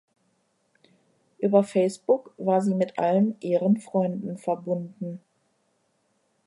Über Facebook war sie mit allen ihren Freunden verbunden.